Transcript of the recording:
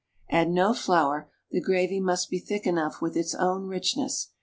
Add no flour, the gravy must be thick enough with its own richness.